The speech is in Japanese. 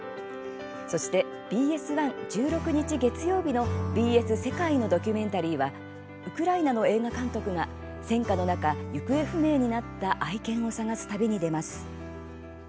そしてＢＳ１、１６日、月曜日の「ＢＳ世界のドキュメンタリー」ウクライナの映画監督が戦渦の中、行方不明になった愛犬を捜す旅に出ます。